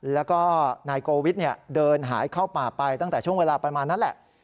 แล้วก็นายโกวิทเดินหายเข้าป่าไปตั้งแต่ช่วงเวลาประมาณนั้นแหละ